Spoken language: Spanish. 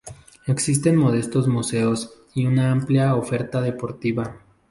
Existen modestos museos y una amplia oferta deportiva.